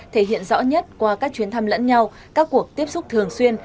thể hiện rõ nhất qua các chuyến thăm lẫn nhau các cuộc tiếp xúc thường xuyên